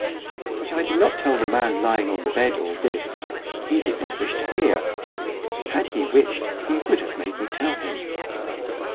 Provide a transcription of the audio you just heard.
But I did not tell the man lying on the bed all this. He did not wish to hear, had he wished he would have made me tell him.